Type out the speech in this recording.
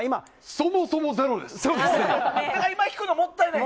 そもそもゼロです。